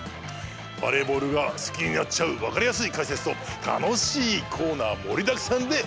バレーボールがすきになっちゃうわかりやすいかいせつとたのしいコーナーもりだくさんでおとどけします。